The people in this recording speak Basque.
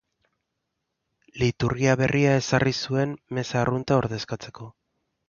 Liturgia berria ezarri zuen meza arrunta ordezkatzeko.